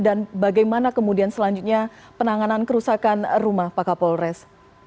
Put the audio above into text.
dan bagaimana kemudian selanjutnya penanganan kerusakan rumah pak kapolres